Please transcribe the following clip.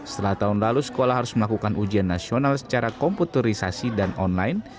setelah tahun lalu sekolah harus melakukan ujian nasional secara komputerisasi dan online